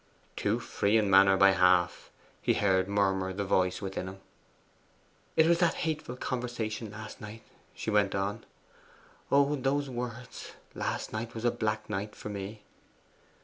'Too free in manner by half,' he heard murmur the voice within him. 'It was that hateful conversation last night,' she went on. 'Oh, those words! Last night was a black night for me.